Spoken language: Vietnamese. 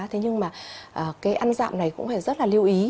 thế nhưng mà cái ăn dạm này cũng phải rất là lưu ý